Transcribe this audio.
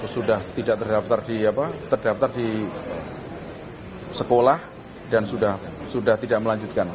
sudah tidak terdaftar di sekolah dan sudah tidak melanjutkan